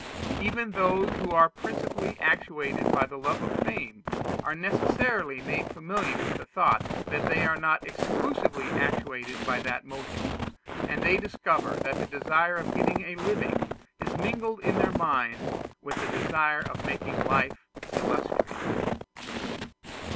Even those who are principally actuated by the love of fame are necessarily made familiar with the thought that they are not exclusively actuated by that motive; and they discover that the desire of getting a living is mingled in their minds with the desire of making life illustrious.